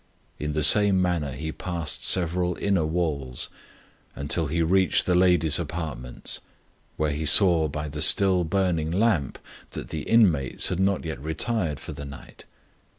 In the same manner he passed several inner walls, until he reached the ladies' apartments, where he saw by the still burning lamp that the inmates had not yet retired for the night.